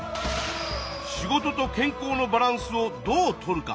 仕事と健康のバランスをどうとるか。